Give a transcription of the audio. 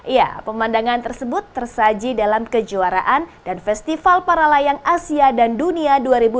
ya pemandangan tersebut tersaji dalam kejuaraan dan festival para layang asia dan dunia dua ribu dua puluh